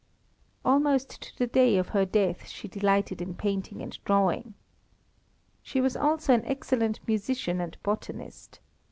Almost to the day of her death she delighted in painting and drawing. She was also an excellent musician and botanist.